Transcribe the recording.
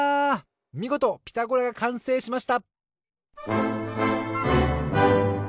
みごと「ピタゴラ」がかんせいしました！